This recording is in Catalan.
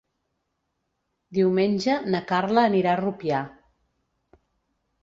Diumenge na Carla anirà a Rupià.